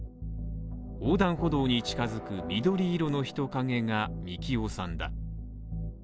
横断歩道に近づく緑色の人影が樹生さんだ。